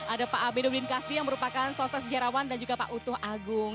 ada pak aminuddin kasti yang merupakan sosial sejarawan dan juga pak utho agung